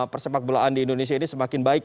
persepakbolaan di indonesia ini semakin baik